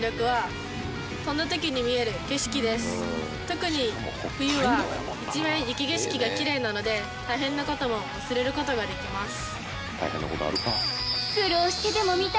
特に冬は一面雪景色がキレイなので大変な事も忘れる事ができます。